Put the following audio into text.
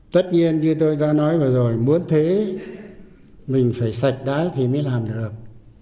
tất nhiên như tôi đã nói rồi muốn thế mình phải sạch đáy thì mới làm được